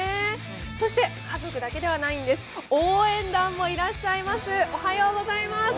そして、家族だけではないんです、応援団もいらっしゃいます。